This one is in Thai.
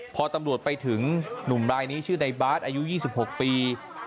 พอตำรวจไปถึงหนุ่มรายนี้ชื่อในบาสอายุ๒๖ปี